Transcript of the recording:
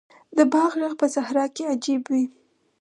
د باد ږغ په صحرا کې عجیب وي.